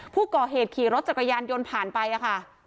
ผู้ก่อเหตุขี่รถจักรยานยนต์ผ่านไปค่ะ